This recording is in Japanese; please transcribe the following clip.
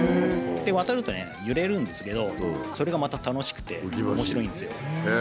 渡るとね揺れるんですけどそれがまた楽しくて面白いんですよ。